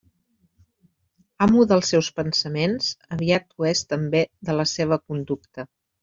Amo dels seus pensaments, aviat ho és també de la seva conducta.